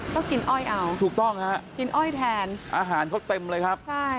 ก็กินอ้อยเอาถูกต้องฮะกินอ้อยแทนอาหารเขาเต็มเลยครับใช่